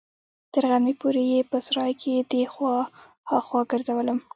تر غرمې پورې يې په سراى کښې دې خوا ها خوا ګرځولم.